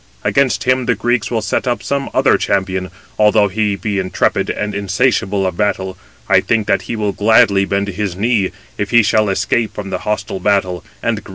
Against him the Greeks will set up some other champion. Although he be intrepid and insatiable of battle, I think that he will gladly bend his knee, 257 if he shall escape from the hostile battle and the grievous fight."